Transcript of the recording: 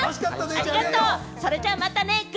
ありがとう、それじゃあまたね！